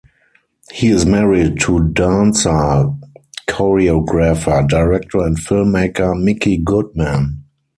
He is married to dancer, choreographer, director and filmmaker, Micki Goodman.